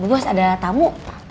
bu bos ada tamu